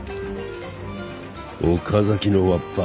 岡崎のわっぱ